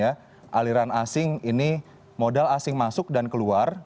aliran asing ini modal asing masuk dan keluar